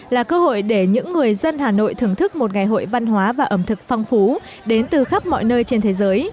là cơ hội để những người dân hà nội thưởng thức một ngày hội văn hóa và ẩm thực phong phú đến từ khắp mọi nơi trên thế giới